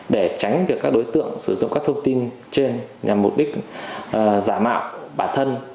để tránh việc các đối tượng sử dụng các thông tin trên nhằm mục đích giả mạo bản thân